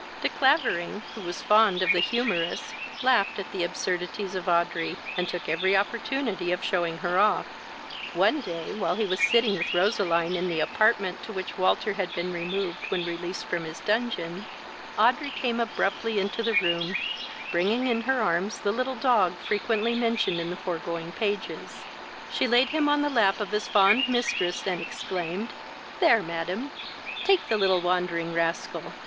De Clavering, who was fond of the humorous, laughed at the absurdities of Audrey, and took every opportunity of shewing her off. One day, while he was sitting with Roseline in the apartment to which Walter had been removed, when released from his dungeon, Audrey came abruptly into the room, bringing in her arms the little dog frequently mentioned in the foregoing pages. She laid him on the lap of his fond mistress, and exclaimed, "There, madam, take the little wandering rascal.